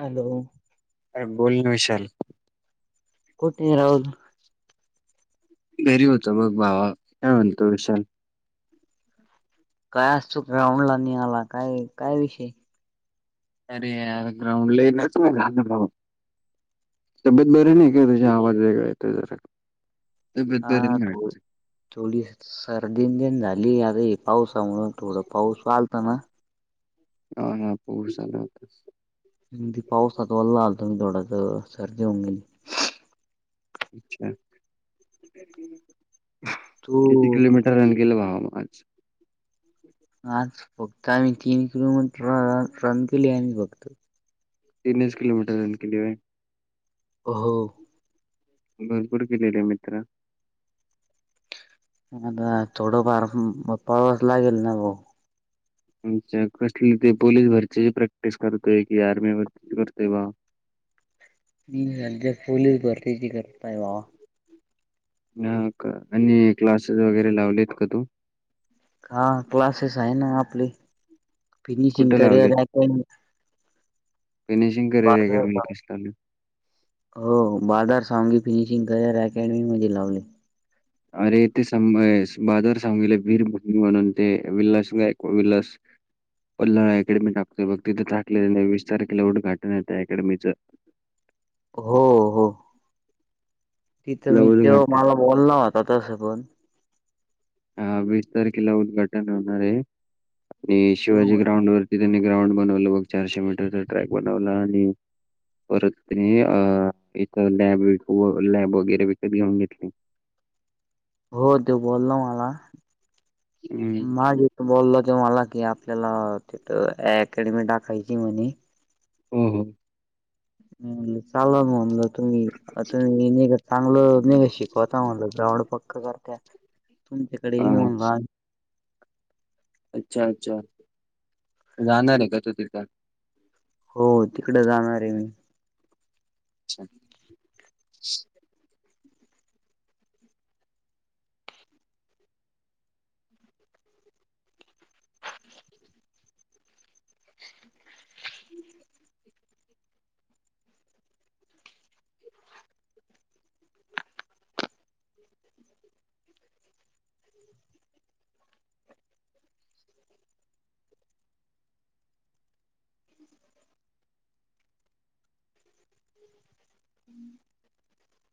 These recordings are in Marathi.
हॅलो अरे गोल न विशाल कुठ राऊज बरी होत मग बावा याव तु विशल. काय असतो ग्राउंड ला निघाला काय काय विषय. अरे ग्राउंडलाच. तब्येत बरे नाही का त्याझ आवाज वेगळा येत ज. हा त. थोडी सर्दीण झाली आता पावसामुळे थोड पाऊस चालत ना हा हा पो चाल होता पाऊसात वल्ला आल तो मी थोडाच सर्दी होऊन गेली अच्छ तू किती किलोमीटर टन केलं भावाज आज फक्त आम्ही तीन किलोमीटर रन केली आम्ही फक्त तिनच किलोमीटर रन केलीिय हो हो. भरपूर किती आले मित्र. आता थोडंफार पावाचं लागल ना ओ. [unintelligible] कसली ती पोलीस भरतीची प्रॅक्टिस करतोय कि आर्मी भरती करतोय भाव मी सध्या पोलीस भरतीची करताय भावा ह का आणि क्लासेस वगैरे लावलेत का तू? हा क्लासेस आहे ना आपले फिनिशिंग कुठे लावलेत career academy. Finishing career academy कशी चालले. हो बादार सांगी फिनिशिंग करिअर अकॅडमी मध्येे लावले. अरे ते सगं बहादूर सगले वीर भेटली म्हणून ते विलास गायवाड विलास. पाल्हाळ्या अकॅडमी टाकतोय बग तिथे टाकले वीस तारखेला उद्घाटन ये त्या अकॅडमीचं. हो हो. तिथं तिथलं मी तो उद्घाटन मला बोलला होता तसं पण हा वीस तारखेला उद्घाटन होणार ये आणि शिवाजी तेव्हा ग्राउंड वर. ते त्यांनी ग्राउंड बनवला बघ चारशे मीटरचा ट्रॅक बनवला आणि परत हे अ एक लॅब वी लॅब वगैरे विकत घेऊन घेतली. हो त्यो बोलला मला हम्म. माझे बोलल त्यो मला कि आपल्याला तिथ अकॅडमी टाकायची ये म्हणे. हो हो. मी म्हणलं चालणार म्हणलं तुम्ही आता मी लगेच. चांगलं बिंगलं शिकवता म्हणलं ग्राउड पक्क करत्या तुमच्याकडे येऊ हा. म्हणल आम्ही. अच्छा अच्छा जाणार ये का तू तिथं? हो तिकड जाणार ये मी. अच्छा. [unintelligible]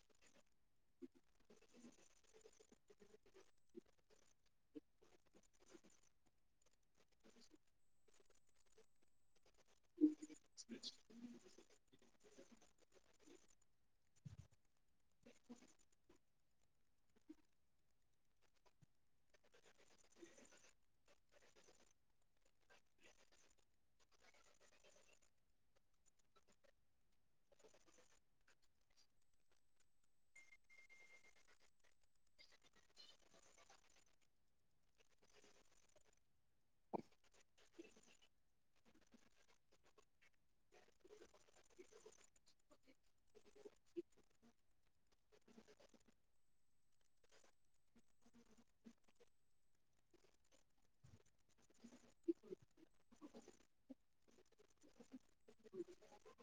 स्विच [inaudible] [inaudible] [unintelligible]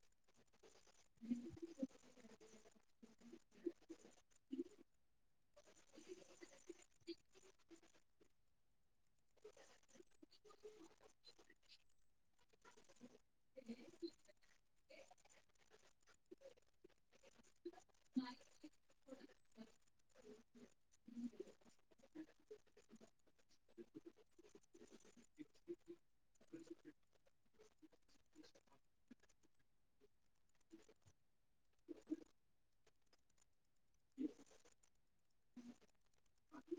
[unintelligible] [unintelligible] [inaudible] नाय तेच [inaudible] [inaudible] [unintelligible]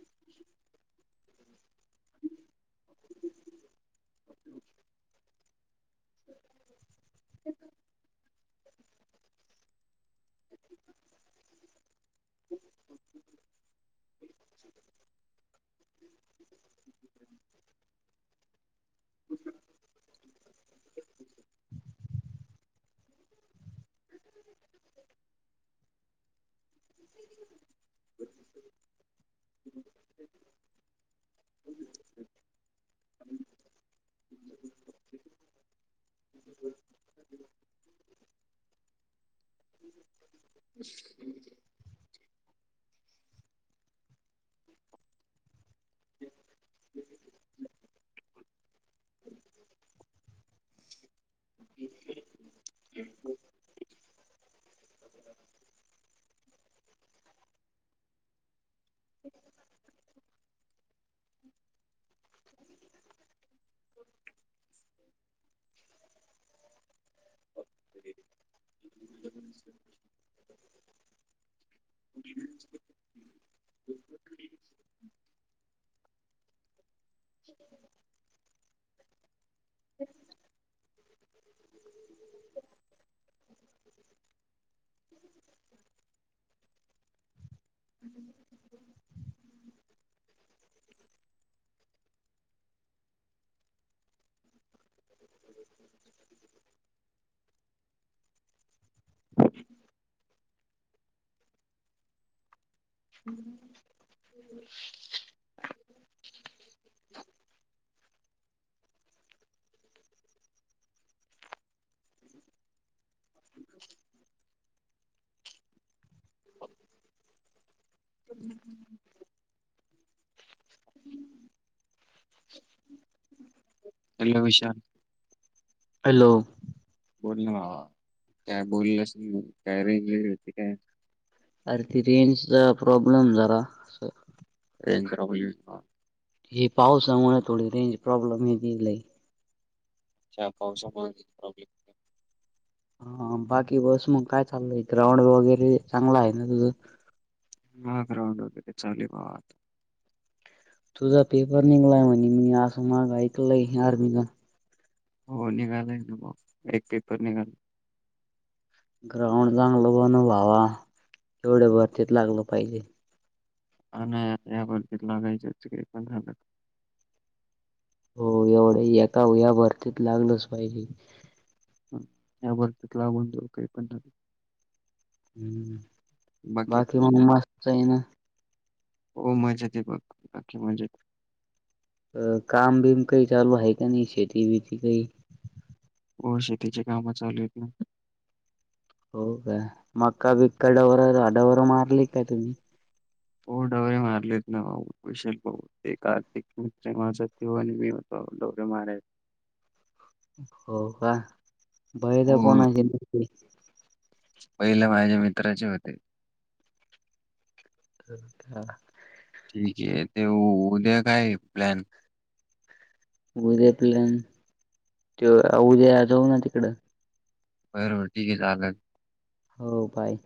[inaudible] त्यांच [inaudible] [inaudible] [inaudible] [unintelligible] अच् [unintelligible] हम्म ह ह [unintelligible] [unintelligible] ह एल विषया हॅलो बोल ना बा काय बोलल काय रेंजले होती काय अरे ती रेंजचा प्रॉब्लेम जरा हे ह पावसामुळे थोडी रेंज प्रॉब्लेम हे ग अ पावस प्रॉब्लेम बाकी बस मग काय चालय ग्राउंड वगैरे चांगला आहे ना तुझं हा ग्रउंड वगैरे चालेल म तुझा पेपर निघलाय म्हणे मी असं माग ऐकलं आहे आर्मीला हो निघालाय ना म एक पेपर निघाल ग्राउंड चांगलं बन भावा तेवढे भरतीत लागलं पाहिजे अ या बद्तीत लगायचच का पण झालं हो एवढं एका या भरतीत लागलच पाहिजे या भ लाबून देऊ काही पण ह् बाकी तुझं म्हण काय? मस्त आहे ना हो मजाेत बघ बाकी मजेत अ काम बीम काही चालू आहे का नाही शेती बिती काही हो शेतीची काम चालू आहेततील हो का मका बिकका डवरडववर मारली काय तुम्ही हो डवररे मारलेत ना भाऊ विशेल भा ते कार्तिक मित्र माझ ते आणि मी दौरी मारा हो का बहे तर हो कोणा पहिले माझ्या मित्राचे होते [unintelligible] ठीक आहे ते उद्या काय प्लॅन उद्या प्लन त उद्या जाऊ ना तिकडं वर ठीके चाल हो बाय